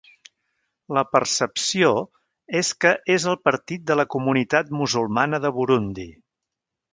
La percepció és que és el partit de la comunitat musulmana de Burundi.